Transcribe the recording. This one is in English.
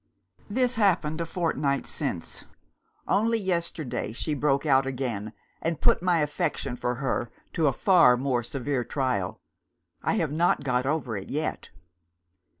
"This happened a fortnight since. Only yesterday, she broke out again, and put my affection for her to a far more severe trial. I have not got over it yet.